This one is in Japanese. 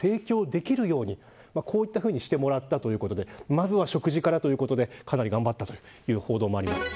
まずは食事からということでかなり頑張ったという報道もあります。